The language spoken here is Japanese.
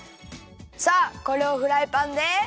さあこれをフライパンで。